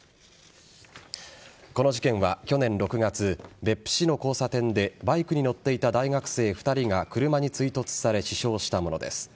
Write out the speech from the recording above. この事件は去年６月別府市の交差点でバイクに乗っていた大学生２人が車に追突され死傷したものです。